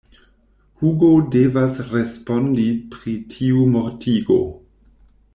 Hugo devas respondi pri tiu mortigo.